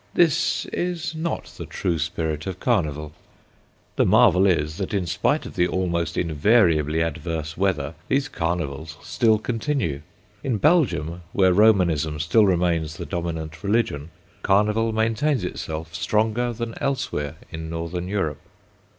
This is not the true spirit of Carnival. The marvel is that, in spite of the almost invariably adverse weather, these Carnivals still continue. In Belgium, where Romanism still remains the dominant religion, Carnival maintains itself stronger than elsewhere in Northern Europe.